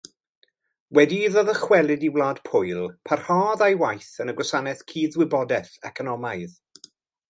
Wedi iddo ddychwelyd i Wlad Pwyl parhaodd â'i waith yn y gwasanaeth cudd-wybodaeth economaidd.